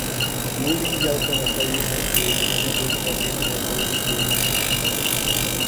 نون لیگی قیادت کا مسئلہ یہ ہے کہ بنیادی طور پہ اتنے پڑھی لکھی نہیں۔